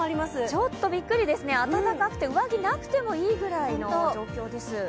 ちょっとびっくりですね暖かくて上着なくてもいいぐらいの状況です。